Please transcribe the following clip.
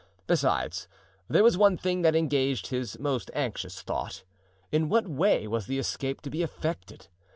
Besides, there was one thing that engaged his most anxious thought—in what way was the escape to be effected?